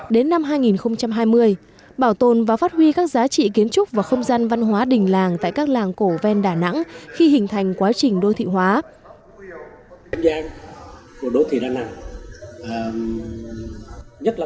đến năm hai nghìn hai mươi bảo tồn và phát huy các giá trị kiến trúc và không gian văn hóa đỉnh làng tại các làng cổ ven đà nẵng khi hình thành quá trình đô thị hóa